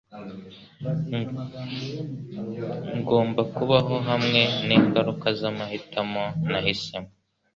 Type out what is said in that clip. Ngomba kubaho hamwe ningaruka zamahitamo nahisemo.